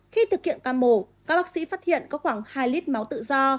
khi thực hiện ca mổ các bác sĩ phát hiện có khoảng hai lít máu tự do